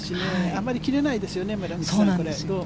あまり切れないですね。